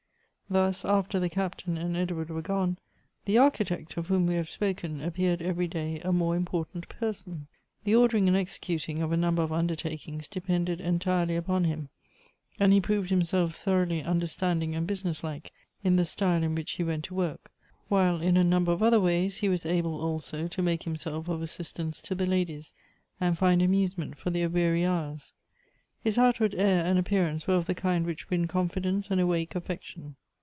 Thus, after the Captain and Edward were gone, the Architect, of whom we have spoken, appeared eveiy day a more important person. The ordering and executing of a number of undertakings depended entirely upon him, and he proved himself thoroughly understanding and business like in the style in which he went to work ; while in a number of other ways he was able also to make himself of assistance to the ladies, and find amuse ment for their weary hours. His outward air and appear ance were of the kind which win confidence and awake affection.